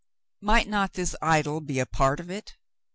Might not this idyl be a part of it